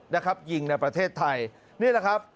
นะครับยิงในประเทศไทยนี่แหละครับ